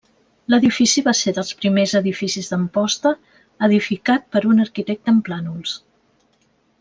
L'edifici va ser dels primers edificis d'Amposta edificat per un arquitecte amb plànols.